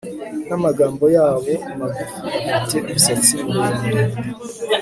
Namagambo yabo magufi afite umusatsi muremure